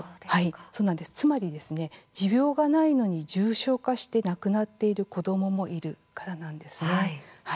つまり持病がないのに重症化して亡くなっている子どももいるからなんです。